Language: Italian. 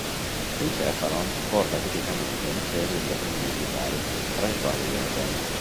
Il "cephalon" porta tipicamente una serie di appendici pari, tra le quali le antenne.